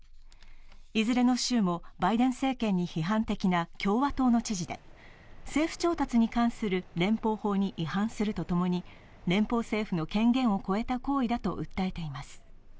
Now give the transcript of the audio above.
いずれの州もバイデン政権に批判的な共和党の知事で政府調達に関する連邦法に違反するとともに連邦政府の権限を越えた行為だと訴えています。